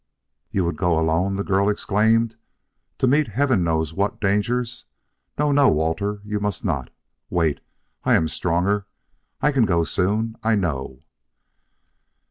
"You would go alone?" the girl exclaimed. "To meet heaven knows what dangers? No, no, Walter; you must not! Wait; I am stronger; I can go soon, I know."